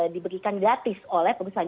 diberikan gratis oleh perusahaan